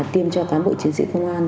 tiêm cho cán bộ chiến sĩ công an